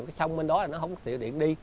cái sông bên đó nó không tiện đi